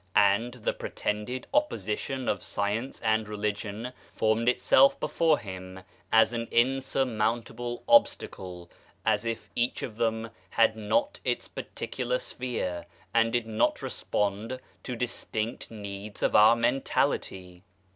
And the pretended opposition of science and religion formed itself before him, as an insurmountable obstacle, as if each of them had not its particular sphere, and did not respond to distinct needs of our mentality.